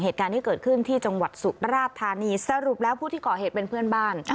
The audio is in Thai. เหตุการณ์ที่เกิดขึ้นที่จังหวัดสุราธานีสรุปแล้วผู้ที่ก่อเหตุเป็นเพื่อนบ้าน